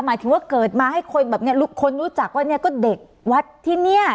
หมายถึงว่าเกิดมาให้คนแบบนี้คนรู้จักว่าเนี่ยก็เด็กวัดที่เนี่ย